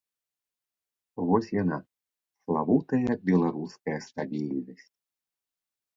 Вось яна, славутая беларуская стабільнасць!